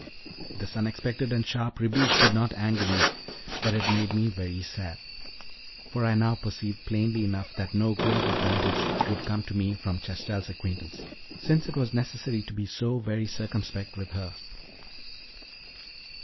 This unexpected and sharp rebuke did not anger me, but it made me very sad; for I now perceived plainly enough that no great advantage would come to me from Chastel's acquaintance, since it was necessary to be so very circumspect with her.